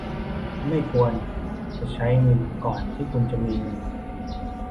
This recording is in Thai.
ไม่ควรจะใช้เงินก่อนที่คุณจะมีเงิน